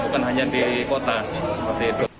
bukan hanya di kota